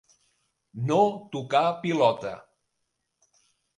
No tocar pilota.